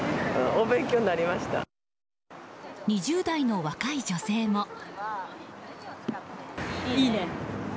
２０代の若い女性も。